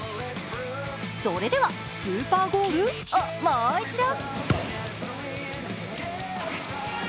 それでは、スーパーゴールをもう一度！